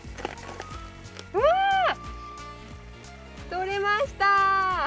とれました。